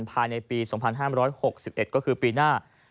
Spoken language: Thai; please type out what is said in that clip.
ภายในปี๒๕๖๑ก็คือปีหน้า